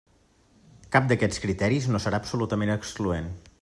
Cap d'aquests criteris no serà absolutament excloent.